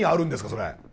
それ。